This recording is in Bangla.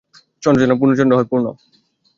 চন্দ্র যেন পূর্ণচন্দ্র হয়– পূর্ণ।